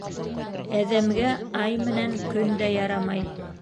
Әҙәмгә ай менән көн дә ярамай.